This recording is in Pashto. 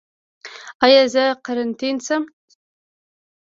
ایا زه قرنطین شم؟